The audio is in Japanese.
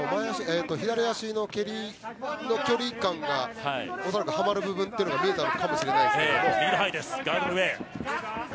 左足の蹴りの距離感は恐らく、はまる部分が見えたのかもしれないですね。